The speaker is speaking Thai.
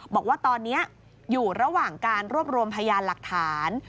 บอกว่าตอนนี้อยู่ระหว่างการรวบรวมพยานหลักฐาน